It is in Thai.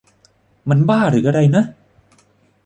มันบ้าหรืออะไรนะ ?